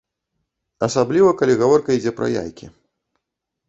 Асабліва калі гаворка ідзе пра яйкі.